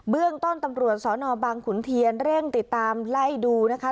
เรื่องต้นตำรวจสนบางขุนเทียนเร่งติดตามไล่ดูนะคะ